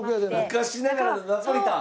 昔ながらのナポリタン！